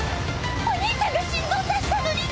お兄ちゃんが心臓刺したのに！